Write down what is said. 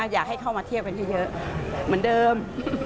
อยากให้เข้ามาเที่ยวกันเยอะเหมือนเดิม